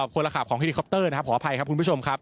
คนละขาบของเฮลิคอปเตอร์นะครับขออภัยครับคุณผู้ชมครับ